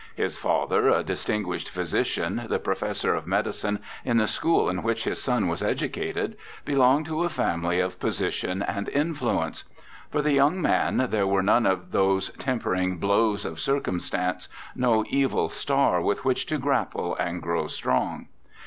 His father, a dis tinguished physician, the professor of medicine in the school in which his son was educated, belonged to a family of position and influence. For the young man there were none of those tempering ' blows of circum stance', no evil star with which to grapple and grow strong.